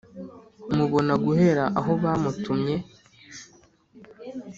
mubona guhera aho bamutumye